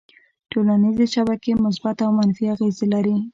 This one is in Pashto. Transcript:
ټولنیزې شبکې مثبت او منفي اغېزې لري.